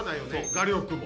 画力も。